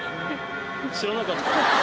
知らなかった。